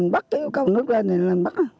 bắt cái ốc nước lên thì bắt